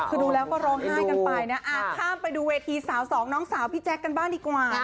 คือดูแล้วก็ร้องไห้กันไปนะข้ามไปดูเวทีสาวสองน้องสาวพี่แจ๊คกันบ้างดีกว่า